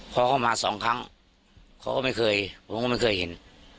พอเข้ามาสองครั้งเขาก็ไม่เคยผมก็ไม่เคยเห็น